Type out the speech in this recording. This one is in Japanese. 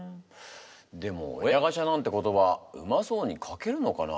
でも親ガチャなんて言葉うまそうに書けるのかな？